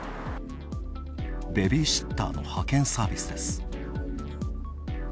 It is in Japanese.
ベビーシッターの派遣サービスです。